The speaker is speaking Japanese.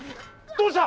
どうした？